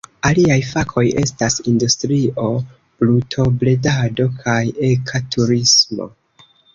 Aliaj fakoj estas industrio, brutobredado kaj eka turismo.